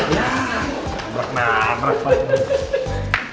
ya berat nah berat pak